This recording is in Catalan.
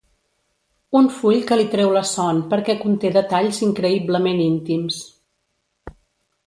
Un full que li treu la son perquè conté detalls increïblement íntims.